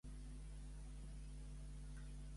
Què ha comunicat Junts per Catalunya?